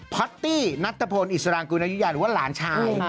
พอตตี้นัตตะพลอิสรางกุลอายุยาหรือว่าหลานชาย